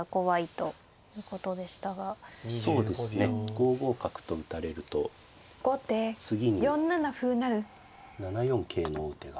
５五角と打たれると次に７四桂の王手が。